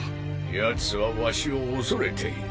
ヤツはワシを恐れている。